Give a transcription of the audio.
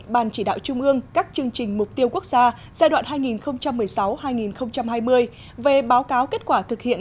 ban chỉ đạo trung ương các chương trình mục tiêu quốc gia giai đoạn hai nghìn một mươi sáu hai nghìn hai mươi về báo cáo kết quả thực hiện